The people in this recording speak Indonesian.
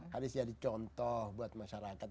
harus jadi contoh buat masyarakat